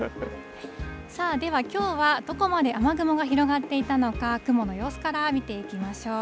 さあ、ではきょうはどこまで雨雲が広がっていたのか、雲の様子から見ていきましょう。